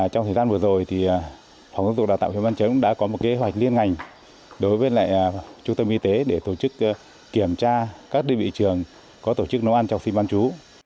trong thời gian vừa rồi phòng giáo dục đoàn tạo huyện văn trấn đã có một kế hoạch liên ngành đối với chủ tâm y tế để kiểm tra các địa vị trường có tổ chức nấu ăn cho học sinh bán chú